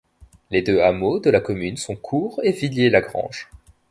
Les deux hameaux de la commune sont Cours et Villiers la Grange.